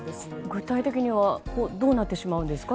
具体的にはどうなってしまうんですか？